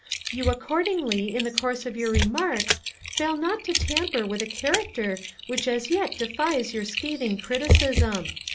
You accordingly, in the course of your remarks, fail not to tamper with a character which as yet defies your scathing criticism.